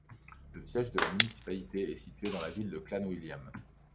Le siège de la municipalité est situé dans la ville de Clanwilliam.